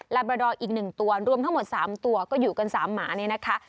และบราดอร์อีก๑ตัวรวมทั้งหมด๓ตัวก็อยู่กัน๓หมาเนี่ยนะคะ